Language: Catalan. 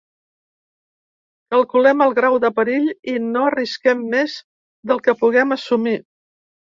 Calculem el grau de perill i no arrisquem més del que puguem assumir.